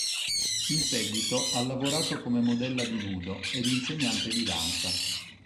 In seguito ha lavorato come modella di nudo ed insegnante di danza.